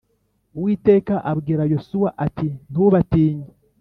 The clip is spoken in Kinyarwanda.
Uwiteka abwira Yosuwa ati Ntubatinye